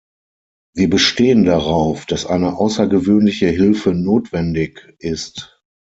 Wir bestehen darauf, dass eine außergewöhnliche Hilfe notwendig ist.